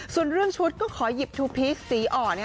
ส่วนเรื่องชุดก็ขอหยิบทูพีชสีอ่อน